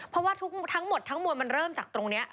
เพราะว่าทั้งหมดทั้งมวลมันเริ่มจากตรงนี้